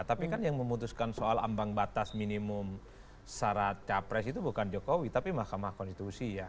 tapi kan yang memutuskan soal ambang batas minimum syarat capres itu bukan jokowi tapi mahkamah konstitusi ya